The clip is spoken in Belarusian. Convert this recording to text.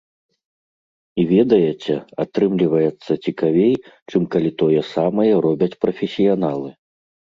І ведаеце, атрымліваецца цікавей, чым калі тое самае робяць прафесіяналы.